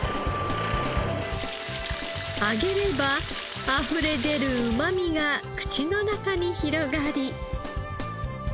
揚げればあふれ出るうまみが口の中に広がり。